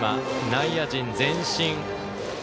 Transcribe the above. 内野陣前進。